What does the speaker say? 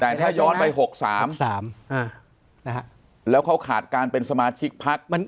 แต่ถ้าย้อนไป๖๓๓แล้วเขาขาดการเป็นสมาชิกพัก